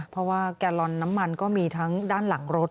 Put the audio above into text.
เพราะว่าแกลลอนน้ำมันก็มีทั้งด้านหลังรถ